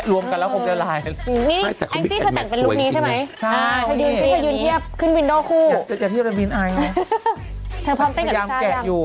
พร้อมเต้นกันแล้วจะยังแกะอยู่